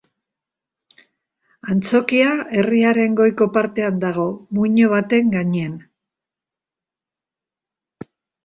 Antzokia herriaren goiko partean dago, muino baten gainean.